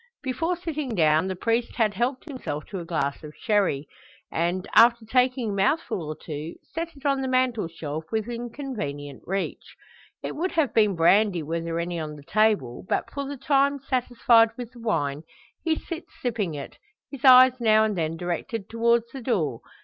Before sitting down the priest had helped himself to a glass of sherry; and, after taking a mouthful or two, set it on the mantelshelf, within convenient reach. It would have been brandy were there any on the table; but, for the time satisfied with the wine, he sits sipping it, his eyes now and then directed towards the door.